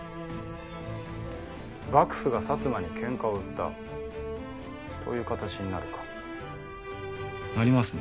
幕府が摩にケンカを売ったという形になるかなりますね。